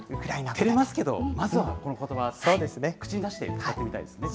てれますけど、まずはこのことば、口に出して使ってみたいですね。